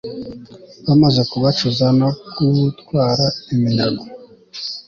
bamaze kubacuza no gutwara iminyago